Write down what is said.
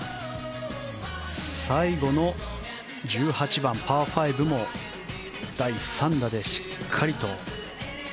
最後の１８番、パー５も第３打でしっかりと。